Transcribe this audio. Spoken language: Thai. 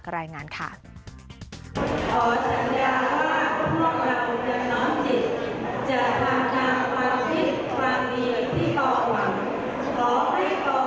คนต้องนั่งหลังยังสู้เพื่อสมบูรณ์